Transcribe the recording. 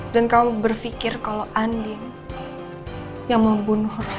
dan kamu berfikir kalau andi yang membunuh roy